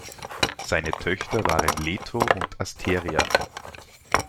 Seine Töchter waren Leto und Asteria.